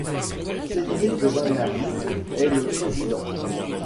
Cédrick Lanari est le président.